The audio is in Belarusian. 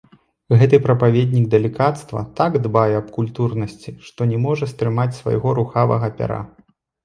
Гэты прапаведнік далікацтва так дбае аб культурнасці, што не можа стрымаць свайго рухавага пяра.